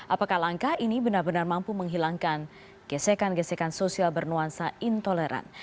apakah langkah ini benar benar mampu menghilangkan gesekan gesekan sosial bernuansa intoleran